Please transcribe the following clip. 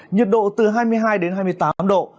nhiệt độ từ hai mươi hai đến hai mươi tám độ